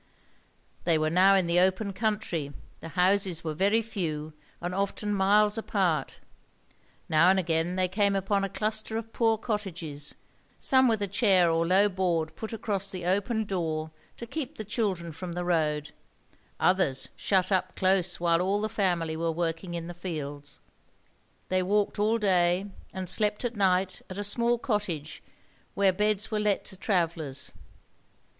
They were now in the open country; the houses were very few, and often miles apart. Now and again they came upon a cluster of poor cottages, some with a chair or low board put across the open door, to keep the children from the road, others shut up close while all the family were working in the fields. They walked all day, and slept at night at a small cottage where beds were let to travellers.